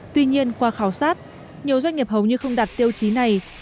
tuy nhiên qua khảo sát nhiều doanh nghiệp hầu như không đặt tiêu chí này